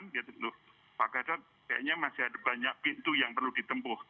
pak gatot kayaknya masih ada banyak pintu yang perlu ditempuh